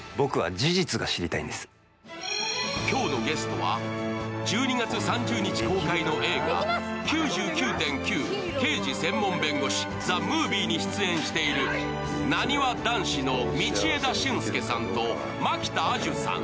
今日のゲストは１２月３０日公開の映画「９９．９−事専門弁護士−ＴＨＥＭＯＶＩＥ」に出演しているなにわ男子の道枝駿佑さんと蒔田彩珠さん。